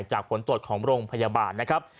ผลตรวจของโรงพยาบาลนะครับ